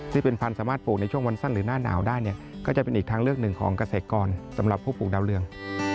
ที่เป็นพันธุ์สามารถปลูกในช่วงวันสั้นหรือหน้าหนาวได้เนี่ยก็จะเป็นอีกทางเลือกหนึ่งของเกษตรกรสำหรับผู้ปลูกดาวเรือง